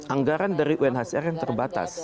anggaran dari unhcr yang terbatas